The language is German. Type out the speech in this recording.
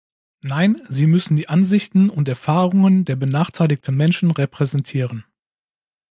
Nein, sie müssen die Ansichten und Erfahrungen der benachteiligten Menschen repräsentieren.